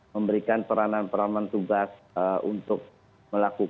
memberikan peranan peranan tugas untuk melakukan